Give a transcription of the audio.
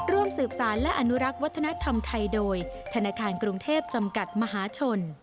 ร่วมสืบสารและอนุรักษ์วัฒนธรรมไทยโดยธนาคารกรุงเทพจำกัดมหาชน